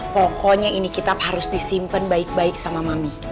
pokoknya ini kitab harus disimpen baik baik sama ami